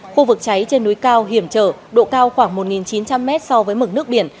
khu vực cháy trên núi cao hiểm trở độ cao khoảng một chín trăm linh m so với mực nước biển